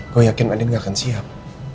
gue yakin adik gak akan siap